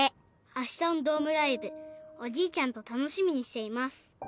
あしたのドームライブおじいちゃんとたのしみにしています！」